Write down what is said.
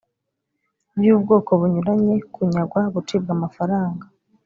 by ubwoko bunyuranye kunyagwa gucibwa amafaranga